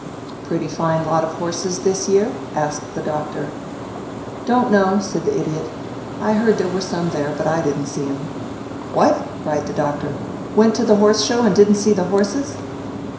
"Pretty fine lot of horses, this year?" asked the Doctor. "Don't know," said the Idiot. "I heard there were some there, but I didn't see 'em." "What?" cried the Doctor. "Went to the Horse Show and didn't see the horses?"